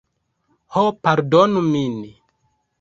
Ho, pardonu min.